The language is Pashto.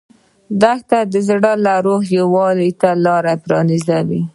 دښته د زړه او روح یووالي ته لاره پرانیزي.